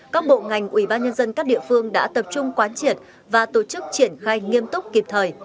các bộ ngành ủy ban nhân dân các địa phương đã tập trung quán triển và tổ chức triển khai nghiêm túc kịp thời